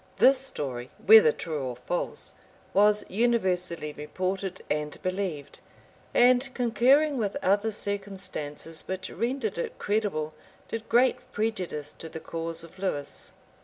This story, whether true or false, was universally reported and believed; and, concurring with other circumstances, which rendered it credible, did great prejudice to the cause of Lewis.